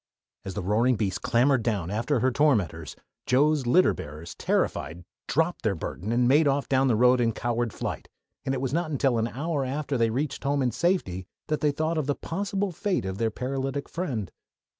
As the roaring beast clambered down after her tormentors, Joe's litter bearers, terrified, dropped their burden and made off down the road in coward flight, and it was not until an hour after they had reached home in safety that they thought of the possible fate of their paralytic friend.